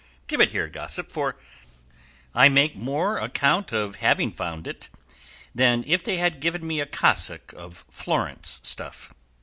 Give it here, gossip, for I make more account of having found it than if they had given me a cassock of Florence stuff."